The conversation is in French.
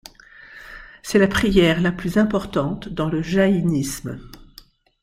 C'est la prière la plus importante dans le jaïnisme.